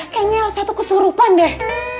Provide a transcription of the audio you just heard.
kayaknya elsa tuh kesurupan deh